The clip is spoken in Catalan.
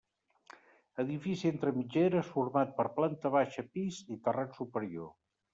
Edifici entre mitgeres, format per planta baixa, pis i terrat superior.